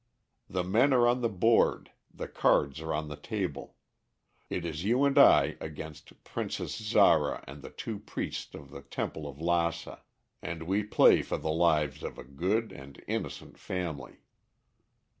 The men are on the board, the cards are on the table. It is you and I against Princess Zara and the two priests of the temple of Lassa. And we play for the lives of a good and innocent family."